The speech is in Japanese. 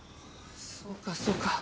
そうかそうか。